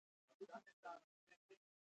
استاد د کندهار د سپين ږيرو له خولې کيسه کوله.